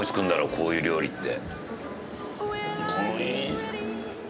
こういう料理って。